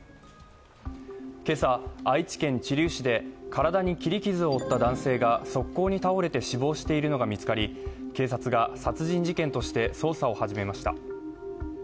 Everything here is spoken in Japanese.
今朝、愛知県知立市で体に切り傷を負った男性が側溝に倒れて死亡しているのが見つかり、警察が殺人事件として捜査を始めました。